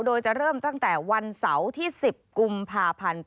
โดยจะเริ่มตั้งแต่วันเสาร์ที่๑๐กุมภาพันธ์